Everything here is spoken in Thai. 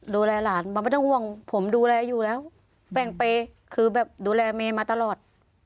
ดูแลหลานมันไม่ต้องห่วงผมดูแลอยู่แล้วแบ่งเปย์คือแบบดูแลเมย์มาตลอด